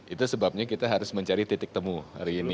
itu sebabnya kita harus mencari titik temu hari ini